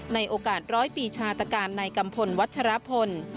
ในโอกาส๑๐๐ปีชาตกาลในกำพลวัชฌาพล